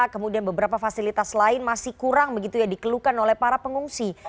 kemudian beberapa fasilitas lain masih kurang begitu ya dikeluhkan oleh para pengungsi